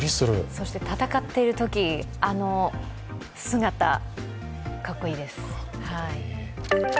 そして戦っているとき姿、かっこいいです。